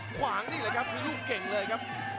ขวางนี่เลยครับมีรูปเก่งเลยครับ